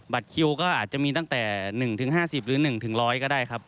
คิวก็อาจจะมีตั้งแต่๑๕๐หรือ๑๐๐ก็ได้ครับ